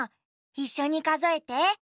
いっしょにかぞえて。